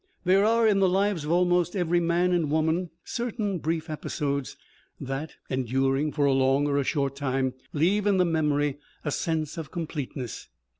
There are, in the lives of almost every man and woman, certain brief episodes that, enduring for a long or a short time, leave in the memory a sense of completeness.